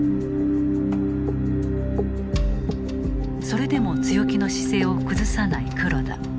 それでも強気の姿勢を崩さない黒田。